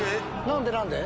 何で？